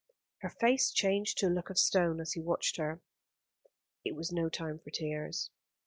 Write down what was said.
Her face changed to a look of stone as he watched her. It was no time for tears.